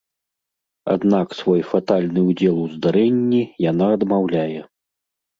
Аднак свой фатальны ўдзел у здарэнні яна адмаўляе.